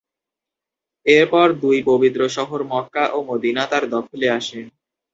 এরপর দুই পবিত্র শহর মক্কা ও মদিনা তার দখলে আসে।